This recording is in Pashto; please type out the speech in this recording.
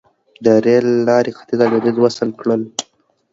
د ریل لارې ختیځ او لویدیځ وصل کړل.